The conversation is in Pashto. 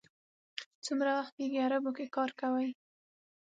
څومره وخت کېږي عربو کې کار کوئ.